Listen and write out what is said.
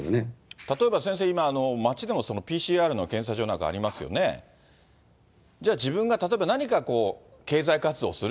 例えば先生、今、街でもＰＣＲの検査場なんかありますよね、じゃあ、自分が例えば何か経済活動をする。